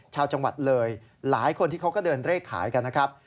ชาวจังหวัดเลยหลายคนที่เขาก็เดินเลขขายกันนะครับ